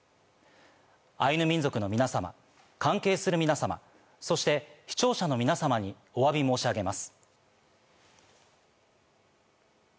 アイヌ民族の皆様、関係する皆様、そして視聴者の皆様にお詫び申し上げます。